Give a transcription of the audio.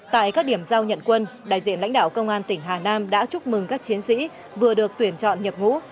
tại các điểm giao nhận quân đại diện lãnh đạo công an tỉnh hà nam đã chúc mừng các chiến sĩ vừa được tuyển chọn nhập ngũ